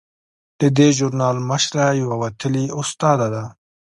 د دې ژورنال مشره یوه وتلې استاده ده.